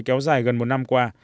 kéo dài gần một năm qua